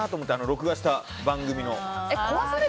録画した番組の。